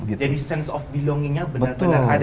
jadi sense of belongingnya benar benar ada